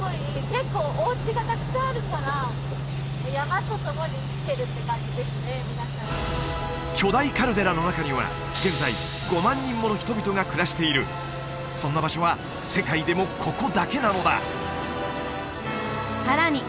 皆さん巨大カルデラの中には現在５万人もの人々が暮らしているそんな場所は世界でもここだけなのださらに